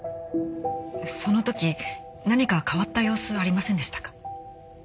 その時何か変わった様子ありませんでしたか？